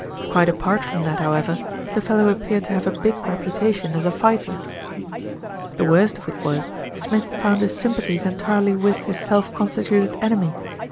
Quite apart from that, however, the fellow appeared to have a big reputation as a fighter. The worst of it was Smith found his sympathies entirely with his self constituted enemy.